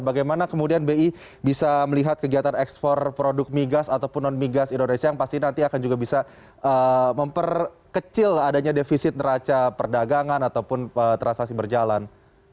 bagaimana kemudian bi bisa melihat kegiatan ekspor produk migas ataupun non migas indonesia yang pasti nanti akan juga bisa memperkecil adanya defisit neraca perdagangan ataupun transaksi berjalan